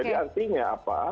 jadi artinya apa